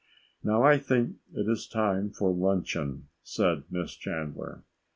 "Now I think it is time for luncheon," said Miss Chandler.